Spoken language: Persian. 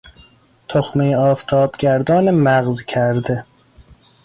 تخمهی آفتابگردان مغز کرده